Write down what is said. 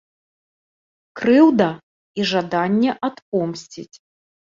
Крыўда і жаданне адпомсціць.